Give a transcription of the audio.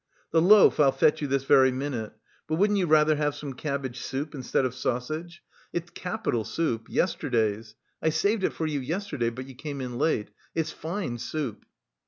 "The loaf I'll fetch you this very minute, but wouldn't you rather have some cabbage soup instead of sausage? It's capital soup, yesterday's. I saved it for you yesterday, but you came in late. It's fine soup."